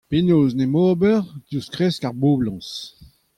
Penaos en em ober diouzh kresk ar boblañs ?